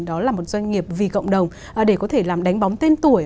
đó là một doanh nghiệp vì cộng đồng để có thể làm đánh bóng tên tuổi